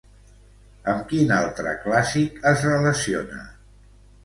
Amb quin altre clàssic es relaciona?